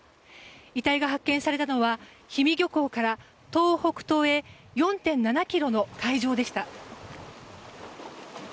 遺体が発見されたのは氷見漁港から東北東へ４．７ｋｍの海上でした。